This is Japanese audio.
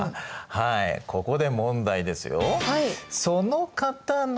はいここで問題ですよ。